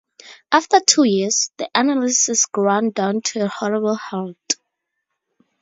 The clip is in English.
After two years, the analysis ground down to a horrible halt'.